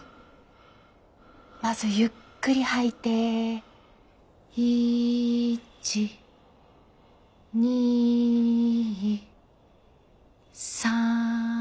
まずゆっくり吐いて１２３。